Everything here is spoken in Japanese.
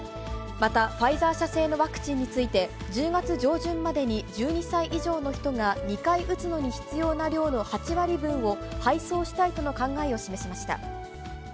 また、ファイザー社製のワクチンについて、１０月上旬までに１２歳以上の人が２回打つのに必要な量の８割分を、配送したいとの考えを示しました。